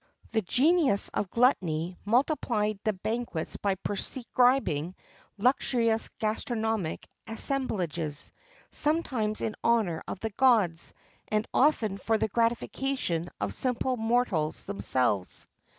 [XXX 19] The genius of gluttony multiplied the banquets by prescribing luxurious gastronomic assemblages, sometimes in honour of the gods, and often for the gratification of simple mortals themselves.